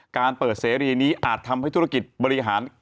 การเปิดเสรีนี้อาจทำให้ธุรกิจบริหาร